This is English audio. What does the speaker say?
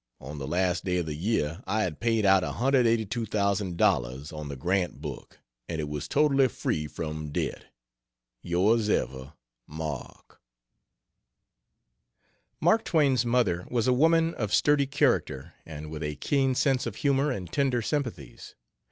On the last day of the year I had paid out $182,000 on the Grant book and it was totally free from debt. Yrs ever MARK. Mark Twain's mother was a woman of sturdy character and with a keen sense of humor and tender sympathies.